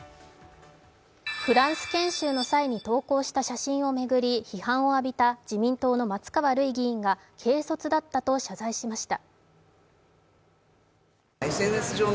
フランス研修の際に投稿した写真を巡り批判を浴びた自民党の松川るい議員が軽率だったと謝罪しました。